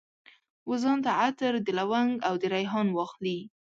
وځان ته عطر، د لونګ او دریحان واخلي